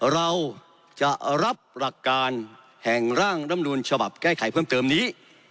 เราจะรับหลักการแห่งร่างรำนูลฉบับแก้ไขเพิ่มเติมนี้